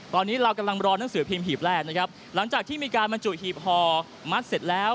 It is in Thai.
ตอนนี้เรากำลังรอนังสือพิมพ์หีบแรกนะครับหลังจากที่มีการบรรจุหีบห่อมัดเสร็จแล้ว